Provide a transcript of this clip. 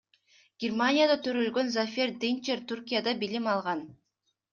Германияда төрөлгөн Зафер Динчер Түркияда билим алган.